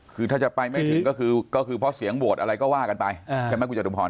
คือถ้าจะไปไม่ถึงก็คือเพราะเสียงโหวตอะไรก็ว่ากันไปใช่ไหมคุณจตุพร